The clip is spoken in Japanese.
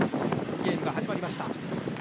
ゲームが始まりました。